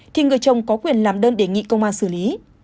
thì người chồng có quyền làm đơn đề nghị công an xử lý